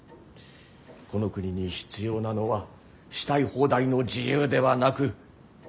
この国に必要なのはしたい放題の自由ではなく秩序なんだよ。